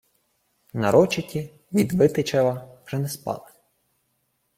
Нарочиті від Витичева вже не спали.